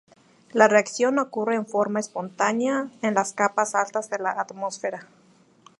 La reacción ocurre en forma espontánea en las capas altas de la atmósfera.